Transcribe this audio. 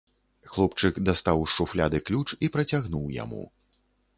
Хлопчык дастаў з шуфляды ключ і працягнуў яму.